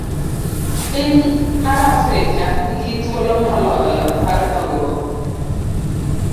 A. Piny mar Afrika ni gi thuolo moloyo mar dongruok.